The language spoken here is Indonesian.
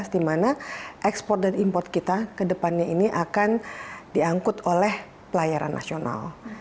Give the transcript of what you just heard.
di mana ekspor dan import kita ke depannya ini akan diangkut oleh pelayaran nasional